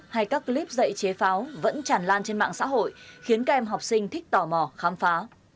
hay các clip dạy chế pháo vẫn tràn lan trên mạng xã hội khiến các em học sinh thích tò mò khám phá